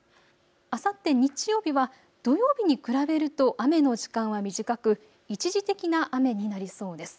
あさって日曜日は土曜日に比べると雨の時間は短く一時的な雨になりそうです。